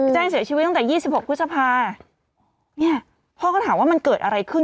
แจ้งเสียชีวิตตั้งแต่๒๖พฤษภาเนี่ยพ่อก็ถามว่ามันเกิดอะไรขึ้น